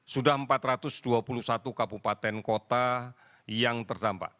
sudah empat ratus dua puluh satu kabupaten kota yang terdampak